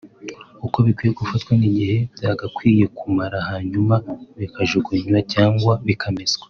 uko bikwiye gufatwa n’igihe byagakwiye kumara hanyuma bikajugunywa cyangwa bikameswa